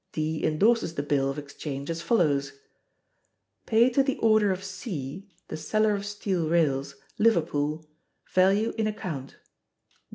D indorses the bill of exchange, as follows: Pay to the order of C [the seller of steel rails], Liverpool, value in account.